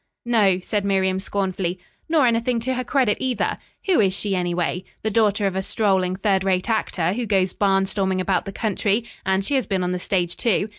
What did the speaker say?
"No," said Miriam scornfully, "nor anything to her credit either. Who is she, anyway? The daughter of a strolling third rate actor, who goes barnstorming about the country, and she has been on the stage, too.